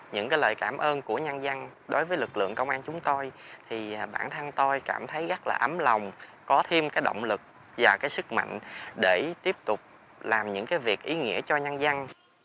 những cái lời cảm ơn của nhân dân đối với lực lượng công an chúng tôi thì bản thân tôi cảm thấy rất là ấm lòng có thêm cái động lực và cái sức mạnh để tiếp tục làm những cái việc ý nghĩa cho nhân dân